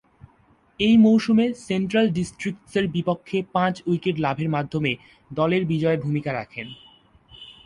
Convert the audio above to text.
ঐ মৌসুমে সেন্ট্রাল ডিস্ট্রিক্টসের বিপক্ষে পাঁচ উইকেট লাভের মাধ্যমে দলের বিজয়ে ভূমিকা রাখেন।